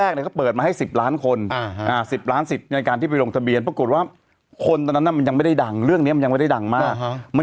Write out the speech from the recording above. คือจาก๑๐ล้านเนี่ยคนไม่รู้เรื่องไง